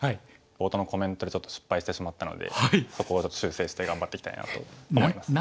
冒頭のコメントでちょっと失敗してしまったのでそこを修正して頑張っていきたいなと思います。